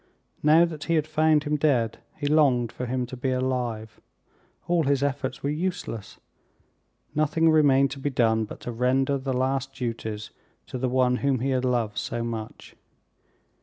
Now that he had found him dead he longed for him to be alive. All his efforts were useless! Nothing remained to be done but to render the last duties to the one whom he had loved so much!